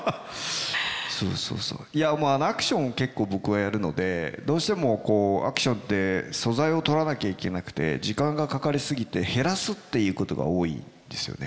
いやまあアクションを結構僕はやるのでどうしてもアクションって素材を撮らなきゃいけなくて時間がかかり過ぎて減らすっていうことが多いんですよね。